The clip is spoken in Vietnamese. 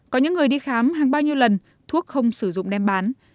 có những người đi khám hàng bao nhiêu lần thuốc không sử dụng đem bán